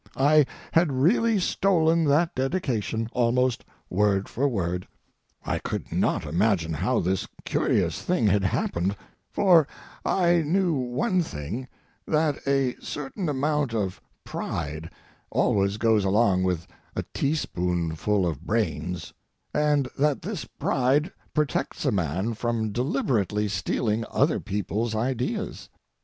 I had really stolen that dedication, almost word for word. I could not imagine how this curious thing had happened; for I knew one thing—that a certain amount of pride always goes along with a teaspoonful of brains, and that this pride protects a man from deliberately stealing other people's ideas.